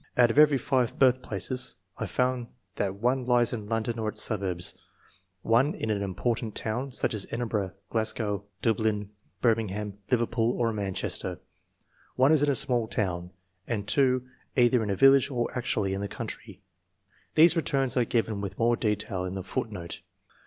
Out of every 5 birthplaces I find that 1 lies in London or its suburbs ; 1 in an important town, such as Edinburgh, Glasgow, Dublin, Bir mingham, Liverpool, or Manchester ; 1 is in a small town ; and 2 either in a village or actually in the country. These returns are given with more detail in the foot note.